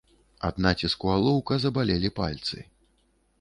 Ад націску алоўка забалелі пальцы.